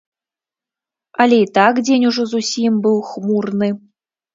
Але і так дзень ужо зусім быў хмурны.